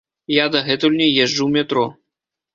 Я дагэтуль не езджу ў метро.